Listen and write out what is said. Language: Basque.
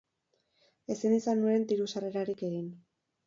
Ezin izan nuen diru sarrerarik egin.